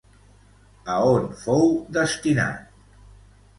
A on fou destinat?